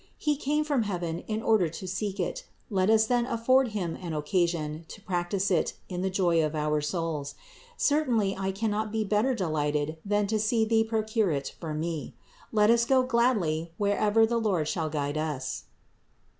He came from heaven in order to seek it, let us then afford Him an occasion to practice it in the joy of our souls; certainly I cannot be better delighted than to see thee procure it for me. Let us go gladly wherever the Lord shall guide us."